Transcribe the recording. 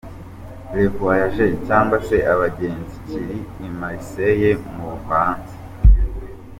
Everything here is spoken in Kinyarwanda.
Les Voyageurs” cyangwa se abagenzi kiri i Marseilles mu Bufaransa.